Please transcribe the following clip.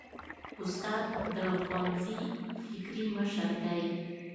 استاد د ښوونځي فکري مشر دی.